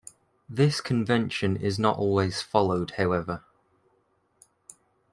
This convention is not always followed, however.